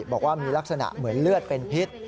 บอกว่ามีลักษณะเหมือนเลือดเป็นพิษ